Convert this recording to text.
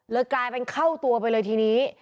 กลายเป็นเข้าตัวไปเลยทีนี้